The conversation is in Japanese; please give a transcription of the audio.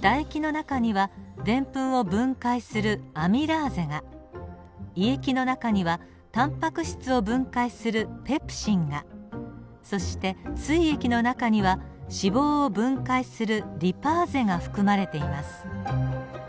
だ液の中にはデンプンを分解するアミラーゼが胃液の中にはタンパク質を分解するペプシンがそしてすい液の中には脂肪を分解するリパーゼが含まれています。